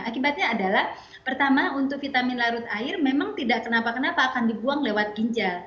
akibatnya adalah pertama untuk vitamin larut air memang tidak kenapa kenapa akan dibuang lewat ginjal